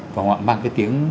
và họ mang cái tiếng